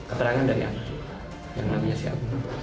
ada yang lima ribu ada yang sepuluh ribu